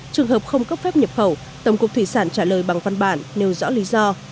trường hợp không cấp phép nhập khẩu tổng cục thủy sản trả lời bằng văn bản nêu rõ lý do